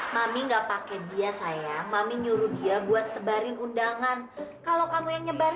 mami enggak pakai dia saya mami nyuruh dia buat sebarin undangan kalau kamu yang nyebar